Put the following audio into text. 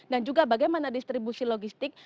dan juga bagaimana distribusi logistik